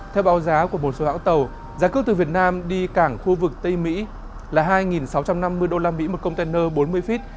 theo báo giá của một số hãng tàu giá cước từ việt nam đi cảng khu vực tây mỹ là hai sáu trăm năm mươi usd một container bốn mươi feet